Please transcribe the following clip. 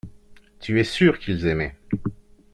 Tu es sûr qu’ils aimaient.